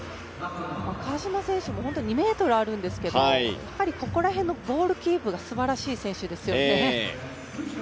川島選手も２ｍあるんですけど、ここら辺のボールキープがすばらしい選手ですよね。